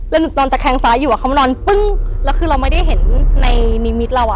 แล้วหนูนอนตะแคงซ้ายอยู่เขามานอนปึ้งแล้วคือเราไม่ได้เห็นในนิมิตเราอ่ะ